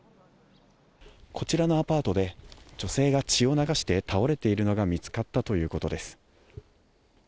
こちらのアパートで、女性が血を流して倒れているのが見つかったということです。